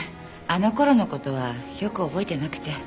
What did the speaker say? あの頃の事はよく覚えてなくて。